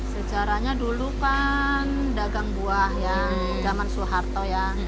sejarahnya dulu kan dagang buah ya zaman soeharto ya